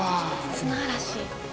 砂嵐。